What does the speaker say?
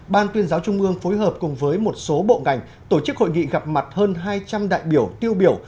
ban tuyên giáo trung ương phối hợp cùng với một số bộ ngành tổ chức hội nghị gặp mặt hơn hai trăm linh đại biểu tiêu biểu